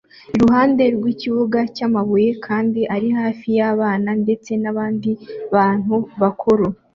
iruhande rw'ikirundo cy'amabuye kandi ari hafi y'abana ndetse n'abandi bantu bakuru